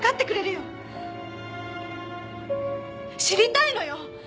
知りたいのよ！